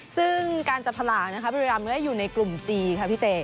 ซึ่งการจับสลามนะครับบุรีรัมป์ก็อยู่ในกลุ่มจีนครับพี่เจ